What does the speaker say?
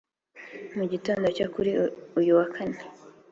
Mu gitondo cyo kuri uyu wa kane